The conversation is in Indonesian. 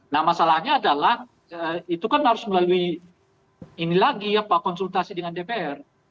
nah masalahnya adalah itu kan harus melalui ini lagi konsultasi dengan dpr